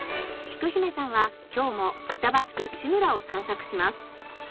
きく姫さんは今日も板橋区志村を散策します。